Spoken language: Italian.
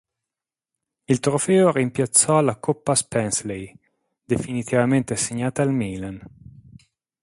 Il trofeo rimpiazzò la Coppa Spensley, definitivamente assegnata al Milan.